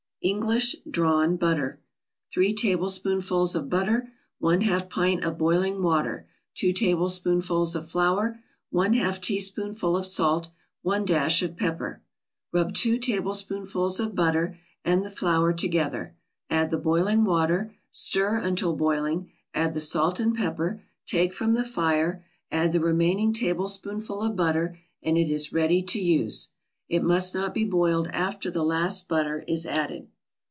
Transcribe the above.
ENGLISH DRAWN BUTTER 3 tablespoonfuls of butter 1/2 pint of boiling water 2 tablespoonfuls of flour 1/2 teaspoonful of salt 1 dash of pepper Rub two tablespoonfuls of butter and the flour together, add the boiling water, stir until boiling, add the salt and pepper; take from the fire, add the remaining tablespoonful of butter and it is ready for use. It must not be boiled after the last butter is added.